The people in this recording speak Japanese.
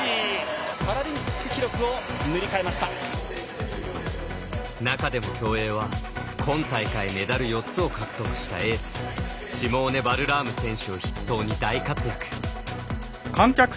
パラリンピック記録を中でも競泳は今大会メダル４つを獲得したエースシモーネ・バルラーム選手を筆頭に大活躍。